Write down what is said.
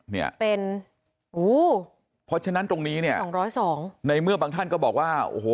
เนี่ยเป็นอู้เพราะฉะนั้นตรงนี้เนี่ยสองร้อยสองในเมื่อบางท่านก็บอกว่าโอ้โห